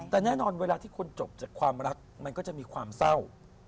แต่แน่นอนเวลาที่คนจบจากความรักมันก็จะมีความเศร้า